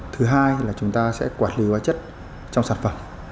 thứ hai là chúng ta sẽ quản lý hóa chất trong sản phẩm